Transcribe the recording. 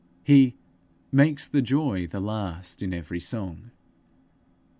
He 'makes the joy the last in every song.'